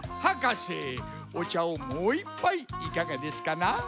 はかせおちゃをもういっぱいいかがですかな？